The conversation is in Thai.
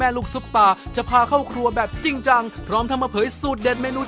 ไม่ว่าจะทำอะไรก็ตามแม่หนู